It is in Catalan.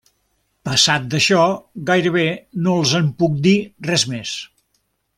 Passat d'això gairebé no els en puc dir res més.